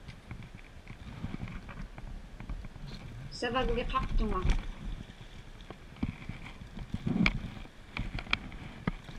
Savagviqaqtuŋa.